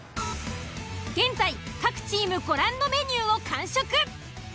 現在各チームご覧のメニューを完食。